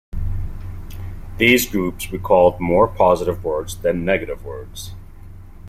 These groups recalled more positive words than negative words.